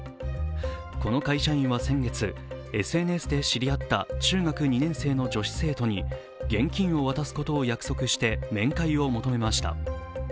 この会社員は先月、ＳＮＳで知り合った中学２年生の女子生徒に現金を渡すことを約束して面会を求めました。